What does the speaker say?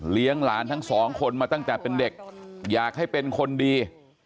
หลานทั้งสองคนมาตั้งแต่เป็นเด็กอยากให้เป็นคนดี